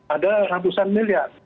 ada ratusan miliar